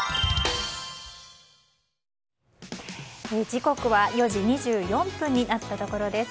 時刻は４時２４分になったところです。